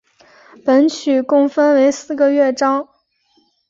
本曲共分为四个乐章。